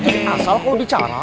di sini asal kamu bicara